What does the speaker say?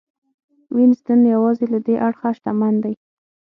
وینز نن یوازې له دې اړخه شتمن دی.